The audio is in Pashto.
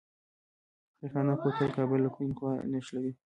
خیرخانه کوتل کابل له کومې خوا نښلوي؟